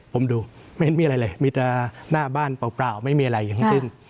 ผมดูไม่เห็นมีอะไรเลยมีแต่หน้าบ้านเปล่าไม่มีอะไรทั้งสิ้น